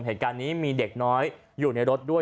เหตุการณ์นี้มีเด็กน้อยอยู่ในรถด้วย